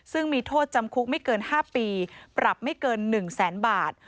ซึ่งมีโทษจำคุกไม่เกิน๕ปีปรับไม่เกิน๑แสนบาท